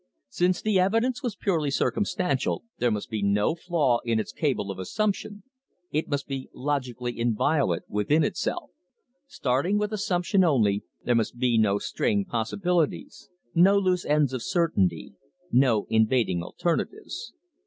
Since the evidence was purely circumstantial, there must be no flaw in its cable of assumption, it must be logically inviolate within itself. Starting with assumption only, there must be no straying possibilities, no loose ends of certainty, no invading alternatives.